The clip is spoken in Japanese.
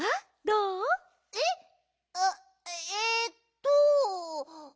えっ？あっえっと。